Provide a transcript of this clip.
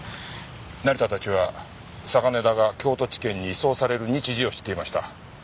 成田たちは嵯峨根田が京都地検に移送される日時を知っていました。